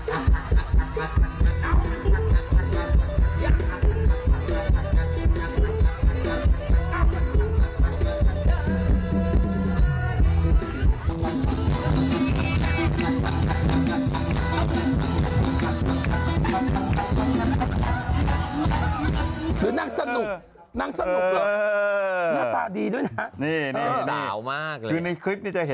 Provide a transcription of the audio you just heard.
โอ้โอ้